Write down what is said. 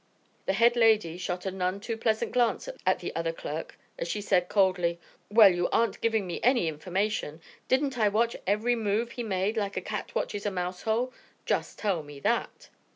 The head lady shot a none too pleasant glance at the other clerk as she said coldly, "Well, you aren't giving me any information. Didn't I watch every move he made like a cat watches a mouse hole? Just tell me that!"